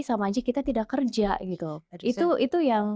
sama aja kita tidak kerja gitu itu yang